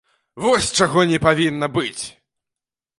Вось чаго не павінна быць!